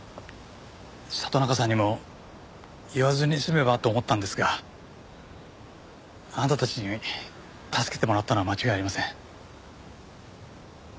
里中さんにも言わずに済めばと思ったんですがあなたたちに助けてもらったのは間違いありません。